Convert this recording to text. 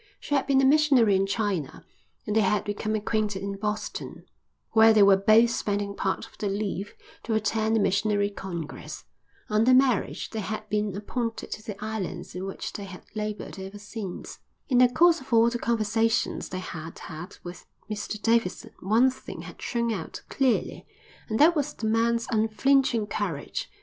She had been a missionary in China, and they had become acquainted in Boston, where they were both spending part of their leave to attend a missionary congress. On their marriage they had been appointed to the islands in which they had laboured ever since. In the course of all the conversations they had had with Mr Davidson one thing had shone out clearly and that was the man's unflinching courage.